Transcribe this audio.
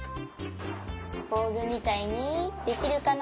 ボールみたいにできるかな？